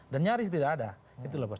dan nyaris tidak ada